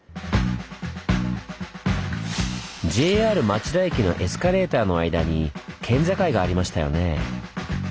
ＪＲ町田駅のエスカレーターの間に県境がありましたよね。